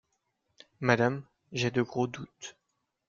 Madame, j’ai de gros doutes.